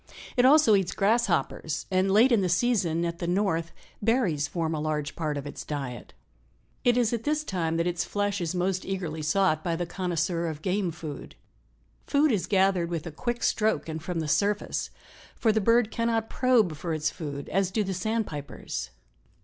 It also eats grasshoppers and late in the season, at the North, berries form a large part of its diet. It is at this time that its flesh is most eagerly sought by the connoisseur of game food. Food is gathered with a quick stroke and from the surface, for the bird cannot probe for its food as do the sandpipers.